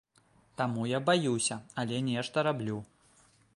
Таму я баюся, але нешта раблю.